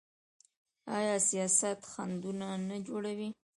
آیا سیاست خنډونه نه جوړوي؟